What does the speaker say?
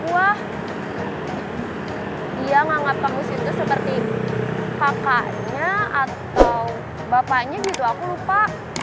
wah dia nganggap kang mus itu seperti kakaknya atau bapaknya gitu aku lupa